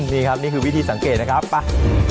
นี่ครับนี่คือวิธีสังเกตนะครับไป